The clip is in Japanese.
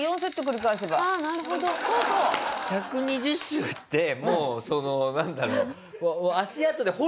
１２０周ってもうそのなんだろう。